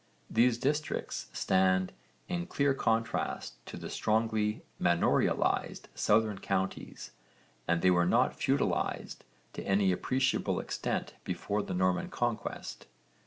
These districts stand in clear contrast to the strongly manorialised southern counties and they were not feudalised to any appreciable extent before the Norman conquest.